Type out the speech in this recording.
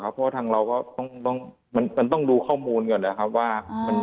เพราะว่าทางเราก็ต้องดูข้อมูลก่อนนะครับว่า